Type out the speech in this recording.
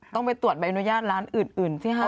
ต้องไปตรวจแบบอนุญาตร้านอื่นที่๕๐ของสินค้า